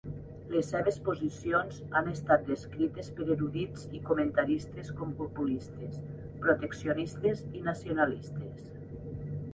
Les seves posicions han estat descrites per erudits i comentaristes com populistes, proteccionistes i nacionalistes.